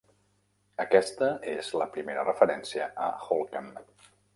Aquesta és la primera referència a Holkham.